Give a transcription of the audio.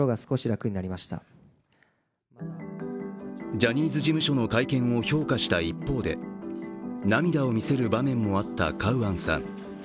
ジャニーズ事務所の会見を評価した一方で涙を見せる場面もあったカウアンさん。